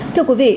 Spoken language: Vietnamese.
thưa quý vị